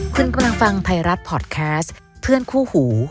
คุณกำลังฟังไทยรัฐพอร์ตแคสต์เพื่อนคู่หู